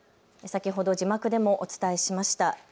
先ほど字幕でもお伝えしました。